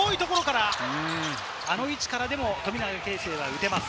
あの位置からでも富永啓生は打てます。